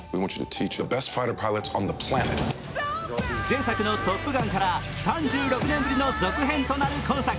前作のトップガンから３６年ぶりの続編となる今作。